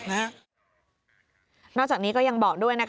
นอกจากนี้ก็ยังบอกด้วย